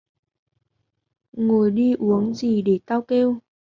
Ngồi đi uống gì để tao kêu